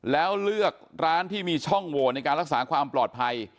แล้วเลือกร้านที่มีช่องโหวตในการรักษาความปลอดภัย